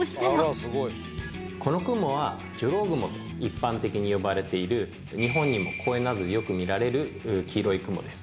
このクモはジョロウグモと一般的に呼ばれている日本にも公園などでよく見られる黄色いクモです。